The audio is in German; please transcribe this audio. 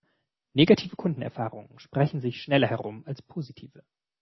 Negative Kundenerfahrungen sprechen sich schneller herum als positive.